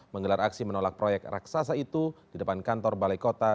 menggelar aksi menolak proyek raksasa itu di depan kantor balai kota